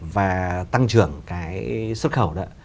và tăng trưởng cái xuất khẩu đó